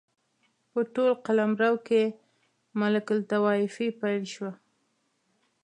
په ټول قلمرو کې ملوک الطوایفي پیل شوه.